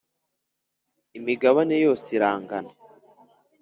Imigabane yose irangana.